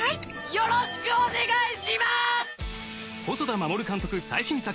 よろしくお願いします！